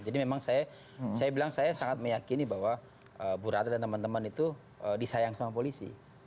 jadi memang saya bilang saya sangat meyakini bahwa bu radha dan teman teman itu disayang sama polisi